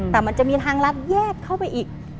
แต่มันจะมีทางรัฐแยกเข้าไปอีก